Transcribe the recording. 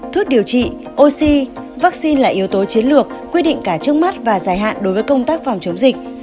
thuốc điều trị oxy vaccine là yếu tố chiến lược quy định cả trước mắt và dài hạn đối với công tác phòng chống dịch